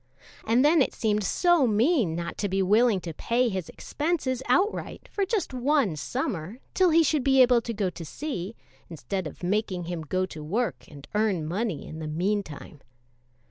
And then it seemed so mean not to be willing to pay his expenses outright for just one summer, till he should be able to go to sea, instead of making him go to work and earn money in the mean time.